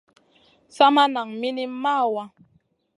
Sa maʼa nan minim mawaa.